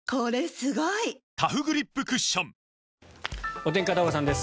お天気、片岡さんです。